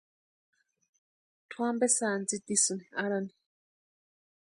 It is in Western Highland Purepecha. Tʼu ampe sáni tsitisïni arhani.